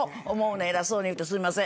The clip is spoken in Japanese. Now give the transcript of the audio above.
偉そうに言うてすいません。